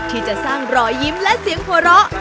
ที่จะสร้างรอยยิ้มและเสียงหัวเราะ